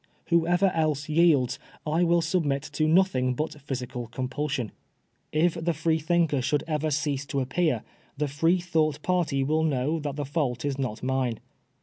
Whoever else yields, I wiU submit to nothing but physical compulsion. If the Freethinker should ever cease to appear, the Freethouffht party wiU know that the fault is not mine.